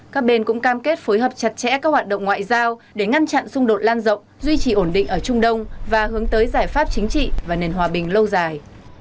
các bên cũng cam kết phối hợp chặt chẽ các hoạt động ngoại giao để ngăn chặn xung đột lan rộng duy trì ổn định ở trung đông và hướng tới giải pháp chính trị và nền hòa bình lâu dài